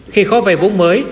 khi khó về vốn mới